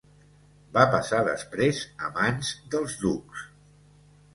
Va passar després a mans dels ducs.